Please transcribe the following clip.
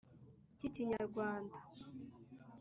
k’Ikinyarwanda.